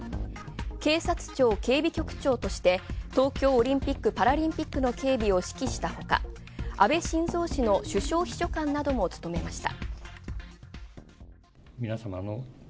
警察庁警備局長として東京オリンピック・パラリンピックの警備を指揮したほか、安倍晋三氏の首相秘書官なども務めました。